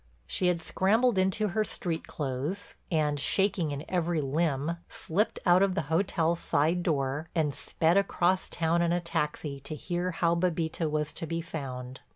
She had scrambled into her street clothes, and, shaking in every limb, slipped out of the hotel's side door and sped across town in a taxi to hear how Bébita was to be found.